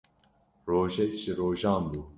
Rojek ji rojan bû